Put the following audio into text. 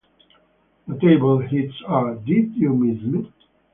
Notable hits are: Did You Miss Me?